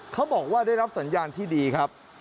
เขาบอกว่าได้รับสัญญาณที่ดีครับ